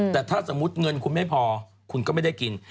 แต่ถ้าสมมุติเงินคุณไม่พอคุณก็ไม่ได้กิน